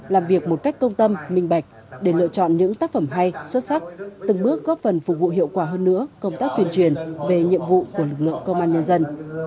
làm việc một cách công tâm minh bạch để lựa chọn những tác phẩm hay xuất sắc từng bước góp phần phục vụ hiệu quả hơn nữa công tác tuyên truyền về nhiệm vụ của lực lượng công an nhân dân